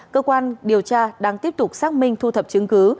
cơ quan điều tra đang tiếp tục xác minh thu thập chứng cứ